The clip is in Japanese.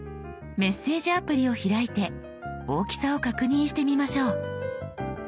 メッセージアプリを開いて大きさを確認してみましょう。